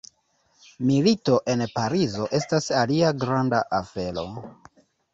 Milito en Parizo estas alia granda afero.